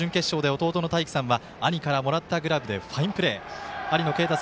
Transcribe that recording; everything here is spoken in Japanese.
昨日の準決勝で兄からもらったグラブでファインプレーは。